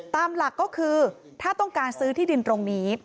ตามหลักก็คือถ้าต้องการซื้อที่ดินตรงนี้